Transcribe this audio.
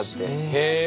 へえ。